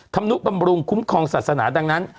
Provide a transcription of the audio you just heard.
นุบำรุงคุ้มครองศาสนาดังนั้น